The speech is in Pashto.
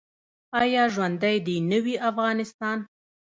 آیا ژوندی دې نه وي افغانستان؟